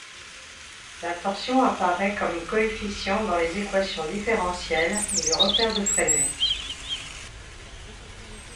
La torsion apparait comme coefficient dans les équations différentielles du repère de Frenet.